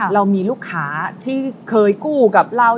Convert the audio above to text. เรามีลูกค้าที่เคยกู้กับเรา